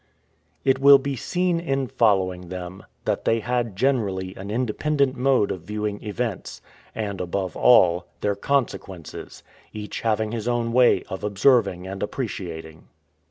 It will be seen, in following them, that they had generally an independent mode of viewing events, and, above all, their consequences, each having his own way of observing and appreciating.